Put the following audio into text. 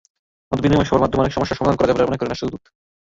মতবিনিময় সভার মাধ্যমে অনেক সমস্যার সমাধান করা যায় বলে মনে করেন রাষ্ট্রদূত।